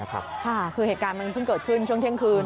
คือเหตุการณ์มันเพิ่งเกิดขึ้นช่วงเที่ยงคืน